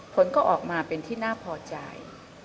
ผลก็ออกมาเป็นที่น่าพอใจ